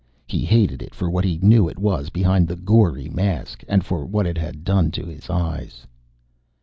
He hated it for what he knew it was behind the gory mask, and for what it had done to his eyes.